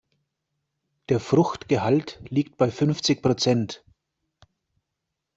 Der Fruchtgehalt liegt bei fünfzig Prozent.